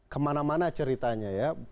kemana mana ceritanya ya